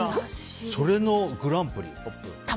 それのグランプリ、トップ。